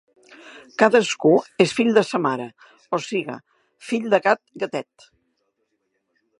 Cadascú és fill de sa mare, o siga, fill de gat, gatet.